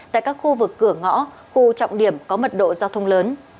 tại các khu vực cửa ngõ khu trọng điểm có mật độ giao thông lớn